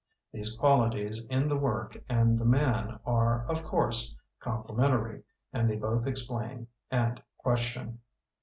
These qualities in the work and the man are, of course, complementary and they both explain and question.